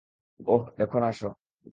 ওহ, এখন, আসো।